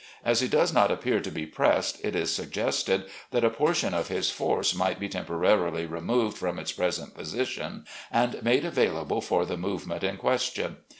As he does not appear to be pressed, it is sug gested that a portion of his force might be temporarily removed from its present position and made available for the movement in question.